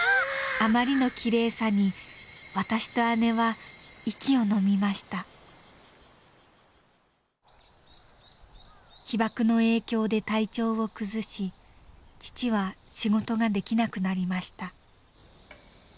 あまりのきれいさに私と姉は息をのみました被爆の影響で体調を崩し父は仕事ができなくなりました。